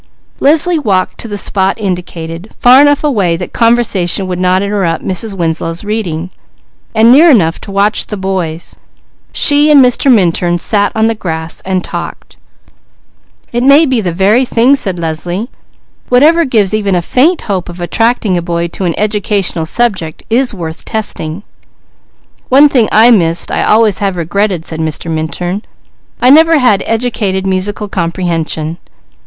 Leslie walked to the spot indicated, far enough away that conversation would not interrupt Mrs. Winslow's reading, and near enough to watch the boys; she and Mr. Minturn sat on the grass and talked. "It might be the very thing," said Leslie. "Whatever gives even a faint hope of attracting a boy to an educational subject is worth testing." "One thing I missed, I always have regretted," said Mr. Minturn, "I never had educated musical comprehension.